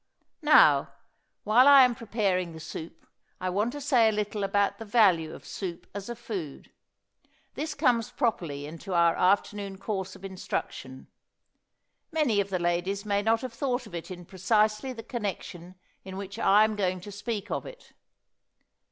Now, while I am preparing the soup, I want to say a little about the value of soup as a food. This comes properly into our afternoon course of instruction. Many of the ladies may not have thought of it in precisely the connection in which I am going to speak of it.